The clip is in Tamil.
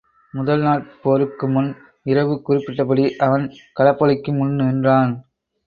முதல் நாட் போருக்கு முன் இரவு குறிப்பிட்டபடி அவன் களப்பலிக்கு முன் நின்றான்.